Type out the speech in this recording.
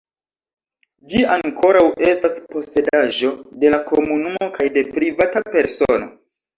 Ĝi ankoraŭ estas posedaĵo de la komunumo kaj de privata persono.